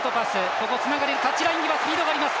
ここつながりタッチライン際スピードがあります。